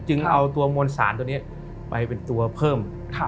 เอาตัวมวลสารตัวนี้ไปเป็นตัวเพิ่ม